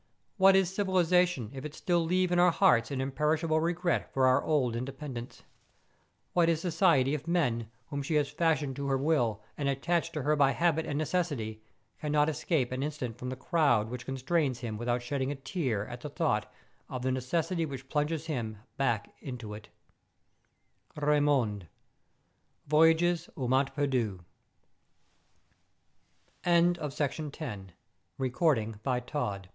Wliat is civilization if it still leave in our hearts an imperishable regret for our old independence ? What is society if man, whom she has fashioned to her will, and attached to her by habit and necessity, cannot escape an instant from the crowd which con¬ strains him without shedding a tear at the thought of the necessity which plunges him back i